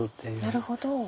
なるほど。